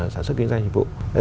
sản xuất kinh doanh dịch vụ